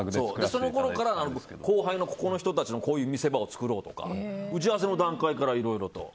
そのころから後輩のここの人たちの見せ場をこう作ろうとか打ち合わせの段階からいろいろと。